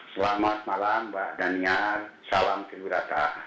selamat malam mbak dania salam pilih berata